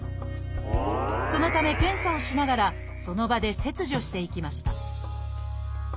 そのため検査をしながらその場で切除していきました